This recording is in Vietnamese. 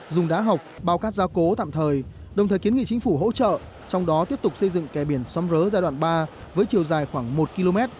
dùng đá học bao cắt gia cố tạm thời đồng thời kiến nghị chính phủ hỗ trợ trong đó tiếp tục xây dựng kẻ biển xoắm rớ giai đoạn ba với chiều dài khoảng một km